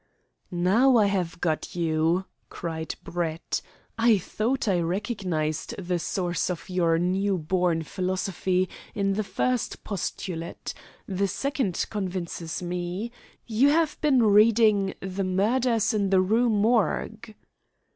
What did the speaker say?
"Now I have got you," cried Brett "I thought I recognised the source of your new born philosophy in the first postulate. The second convinces me. You have been reading 'The Murders in the Rue Morgue.'"